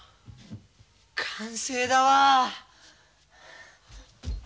完成だわ！